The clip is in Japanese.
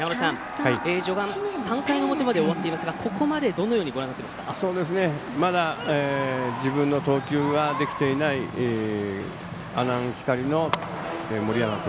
序盤、３回の表まで終わっていますがここまで、どのようにご覧になっていますか。まだ自分の投球ができていない阿南光の森山君。